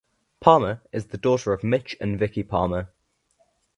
Palmer is the daughter of Mitch and Vicki Palmer.